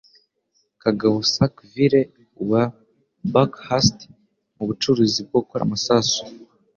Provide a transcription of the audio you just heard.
Kagabo Sackville wa Buckhurst, mu bucuruzi bwo gukora amasasu,